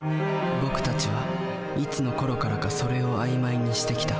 僕たちはいつのころからか「それ」を曖昧にしてきた。